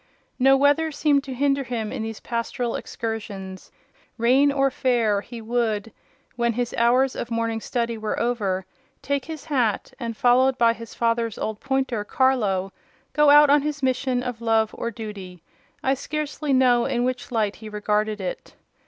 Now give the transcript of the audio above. No weather seemed to hinder him in these pastoral excursions: rain or fair, he would, when his hours of morning study were over, take his hat, and, followed by his father's old pointer, Carlo, go out on his mission of love or duty—I scarcely know in which light he regarded it.